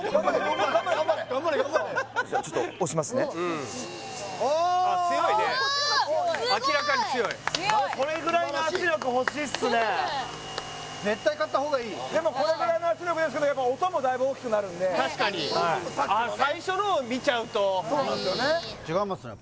頑張れ頑張れ頑張れドンマイじゃあちょっと押しますねうん・ああああ強いねすごい明らかに強い・素晴らしい・絶対買った方がいいでもこれぐらいの圧力ですけどやっぱ音もだいぶ大きくなるんで確かにはいそうなんですよね違いますね